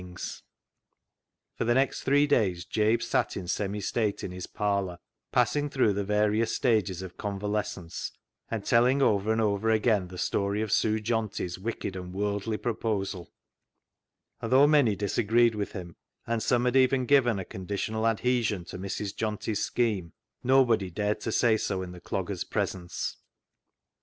332 CLOG SHOP CHRONICLES For the next three days Jabe sat in semi state in his parlour, passing through the various stages of convalescence, and telling over and over again the story of Sue Johnty's wicked and worldly proposal, and though many dis agreed with him, and some had even given a conditional adhesion to Mrs. Johnty's scheme, nobody dared to say so in the dogger's presence.